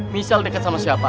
michelle udah ada anaknya itu kan